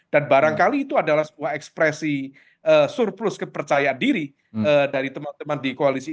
dan barangkali itu adalah sebuah ekspresi surplus kepercayaan diri dari teman teman di koalisi